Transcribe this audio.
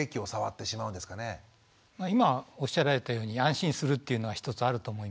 今おっしゃられたように安心するっていうのは一つあると思いますけど。